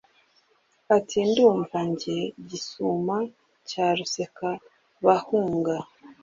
ati: ndumva jye gisuma cya rusekabahunga,